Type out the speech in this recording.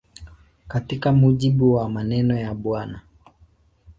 Katika mujibu wa maneno ya Bw.